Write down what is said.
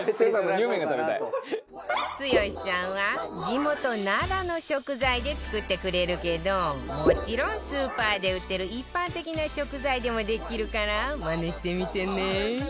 剛さんは地元奈良の食材で作ってくれるけどもちろんスーパーで売ってる一般的な食材でもできるからマネしてみてね